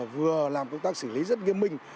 vừa làm công tác xử lý rất nghiêm minh